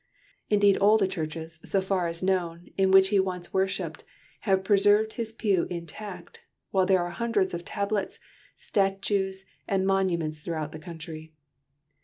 Indeed all the churches, so far as known, in which he once worshipped, have preserved his pew intact, while there are hundreds of tablets, statues, and monuments throughout the country.